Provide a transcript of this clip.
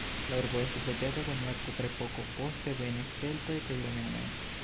La urbo estis loĝata dum la kuprepoko, poste venis keltoj kaj romianoj.